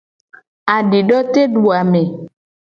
Adidoteduame.